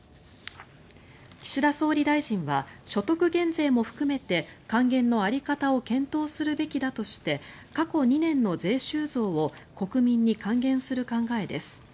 岸田総理大臣は所得減税も含めて還元の在り方を検討するべきだとして過去２年の税収増を国民に還元する考えです。